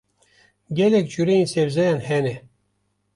Gelek cureyên sebzeyan hene.